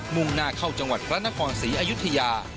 ่งหน้าเข้าจังหวัดพระนครศรีอยุธยา